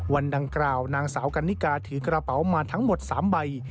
วันดังกล่าวนางสาวกันนิกาถือกระเป๋ามาทั้งหมด๓ใบ